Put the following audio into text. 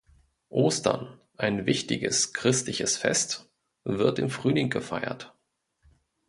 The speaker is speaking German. Ostern, ein wichtiges christliches Fest, wird im Frühling gefeiert.